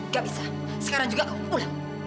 gak bisa sekarang juga kau pulang